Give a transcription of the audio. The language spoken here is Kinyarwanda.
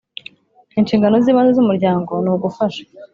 Inshingano z ibanze z Umuryango ni ugufasha .